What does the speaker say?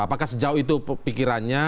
apakah sejauh itu pikirannya